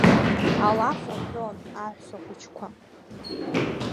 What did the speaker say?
Алаф рҳәон аҳәсахәыҷқәа.